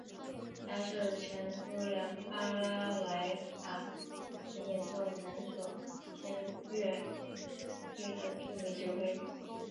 他是前苏联巴拉莱卡琴演奏能手兼乐队的著名指挥。